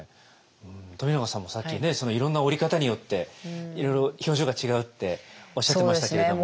冨永さんもさっきねいろんな織り方によっていろいろ表情が違うっておっしゃってましたけれども。